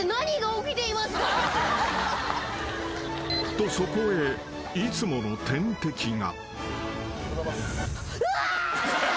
［とそこへいつもの天敵が］